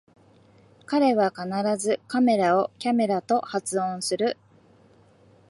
彼は必ずカメラをキャメラと発音する